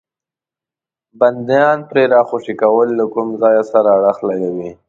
بندیان پرې راخوشي کول له کوم ځای سره اړخ لګوي.